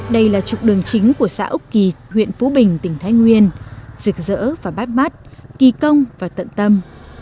đây là trục đường chính của xã úc kỳ huyện phú bình tỉnh thái nguyên rực rỡ và bát bát kỳ công và tận tâm